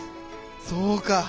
そうか。